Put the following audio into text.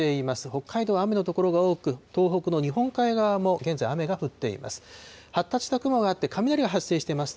北海道、雨の所が多く、東北の日本海側も現在、雨が降っています。